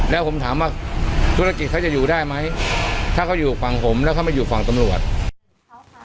แล้วผมถามว่าธุรกิจเขาจะอยู่ได้ไหมถ้าเขาอยู่ฝั่งผมแล้วเขามาอยู่ฝั่งตำรวจ